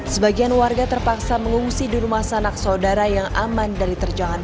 sebagian warga terpaksa mengungsi di rumah sanak saudara yang aman dari terjangan